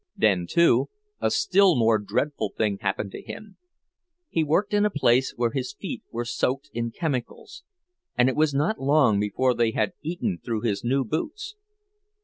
Then, too, a still more dreadful thing happened to him; he worked in a place where his feet were soaked in chemicals, and it was not long before they had eaten through his new boots.